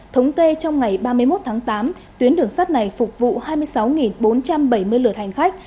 thống kê trong ngày ba mươi một tháng tám tuyến đường sắt này phục vụ hai mươi sáu bốn trăm bảy mươi lượt hành khách